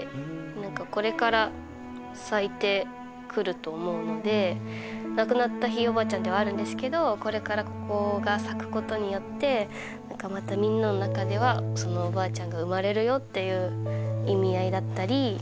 何かこれから咲いてくると思うので亡くなったひいおばあちゃんではあるんですけどこれからここが咲くことによって何かまたみんなの中ではおばあちゃんが生まれるよっていう意味合いだったり。